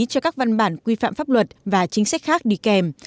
cho các văn bản quy phạm pháp luật và chính sách khác đi kèm